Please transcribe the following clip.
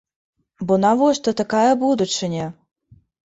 Бо навошта такая будучыня?